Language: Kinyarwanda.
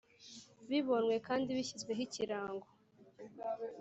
Bibonywe kandi bishyizweho Ikirango